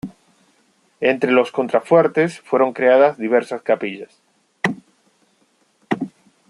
Entre los contrafuertes fueron creadas diversas capillas.